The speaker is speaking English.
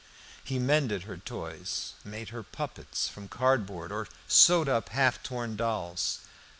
He mended her toys, made her puppets from cardboard, or sewed up half torn dolls.